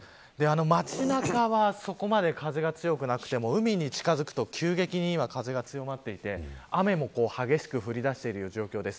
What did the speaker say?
街中はそこまで風が強くなくても海に近づくと急激に風が強まっていて雨も激しく降りだしている状況です。